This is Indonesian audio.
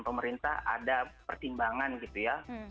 pemerintah ada pertimbangan gitu ya